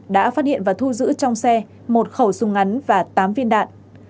đã phát hiện và thu giữ trong xe một khẩu súng ngắn và tám viên đạn